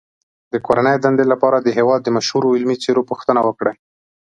د کورنۍ دندې لپاره د هېواد د مشهورو علمي څیرو پوښتنه وکړئ.